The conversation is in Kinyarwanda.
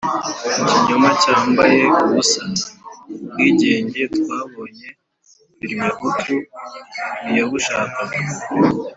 ikinyoma cyambaye ubusa. ubwigenge twabonye parmehutu ntiyabushakaga